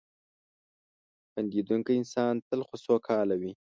• خندېدونکی انسان تل سوکاله وي.